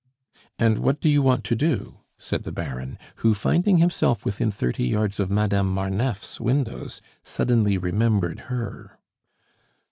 "And what do you want to do?" said the Baron, who, finding himself within thirty yards of Madame Marneffe's windows, suddenly remembered her.